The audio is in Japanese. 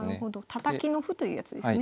たたきの歩というやつですね。